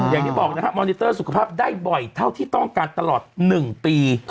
อย่างที่บอกนะครับมอนิเตอร์สุขภาพได้บ่อยเท่าที่ต้องการตลอด๑ปี